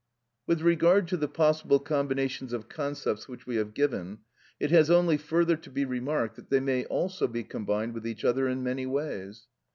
With regard to the possible combinations of concepts which we have given, it has only further to be remarked that they may also be combined with each other in many ways.